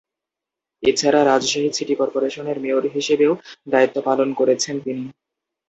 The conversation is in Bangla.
এছাড়া, রাজশাহী সিটি কর্পোরেশনের মেয়র হিসেবেও দায়িত্ব পালন করেছেন তিনি।